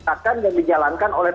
akan dijelankan oleh